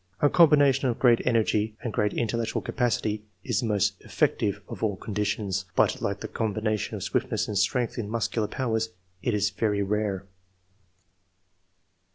A combination of great energy and great intellectual capacity is the most efiective of all conditions; but, like the com bination of swiftness and strength in muscular powers, it is very rare.